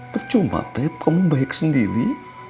percuma pep kamu baik sendiri